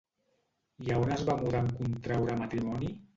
I a on es va mudar en contraure matrimoni?